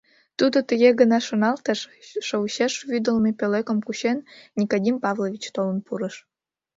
Тудо тыге гына шоналтыш, шовычеш вӱдылмӧ пӧлекым кучен, Никодим Павлович толын пурыш.